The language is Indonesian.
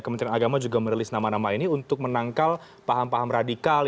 kementerian agama juga merilis nama nama ini untuk menangkal paham paham radikal